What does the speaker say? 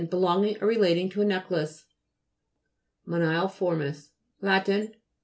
Belonging or relat ing to a necklace. MONILEFO'RMIS lat. fr.